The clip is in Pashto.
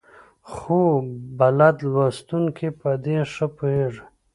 خو بلد لوستونکي په دې ښه پوهېږي.